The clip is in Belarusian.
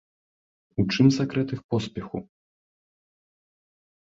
У чым сакрэт іх поспеху?